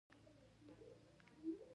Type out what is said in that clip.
زه هڅه کوم، چي هره ورځ یو نوی مهارت زده کړم.